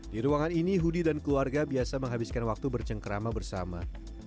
di ruangan ini hudi dan keluarga biasa menghabiskan waktu bercengkerama bersama